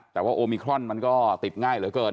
แต่ว่าโอมิครอนมันก็ติดง่ายเหลือเกิน